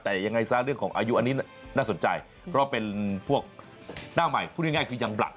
แต่ยังไงซะเรื่องของอายุอันนี้น่าสนใจเพราะเป็นพวกหน้าใหม่พูดง่ายคือยังบลัด